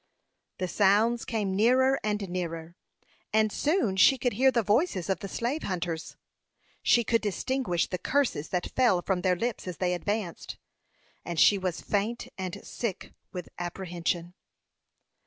The sounds came nearer and nearer, and soon she could hear the voices of the slave hunters. She could distinguish the curses that fell from their lips as they advanced, and she was faint and sick with apprehension.